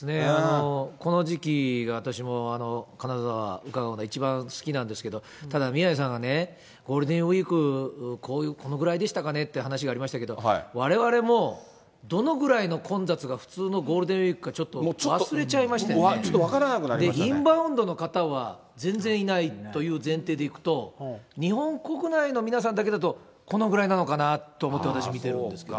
この時期が、私も金沢、伺うのが一番好きなんですけど、ただ、宮根さんがね、ゴールデンウィーク、このぐらいでしたかねって話がありましたけど、われわれもどのぐらいの混雑が普通のゴールデンウィークか、ちょちょっと分からなくなりましインバウンドの方は、全然いないという前提でいくと、日本国内の皆さんだけだとこのぐらいなのかなと思って、私、見てるんですが。